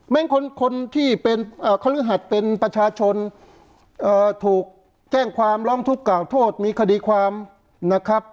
คนที่เป็นเขาฤหัสเป็นประชาชนถูกแจ้งความร้องทุกข์กล่าวโทษมีคดีความนะครับ